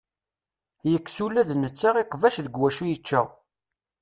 Yekkes ula d netta iqbac deg wacu i yečča.